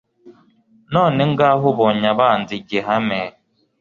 None ngaha ubonye abanzi igihame.